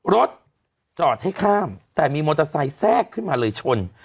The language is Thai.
รถจอดให้ข้ามแต่มีมอเตอร์ไซค์แทรกขึ้นมาเลยชน